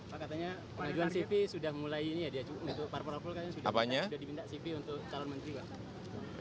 pak katanya pengajuan cv sudah mulai ini ya dia cukup untuk parpor porpul kan sudah diminta cv untuk calon menteri pak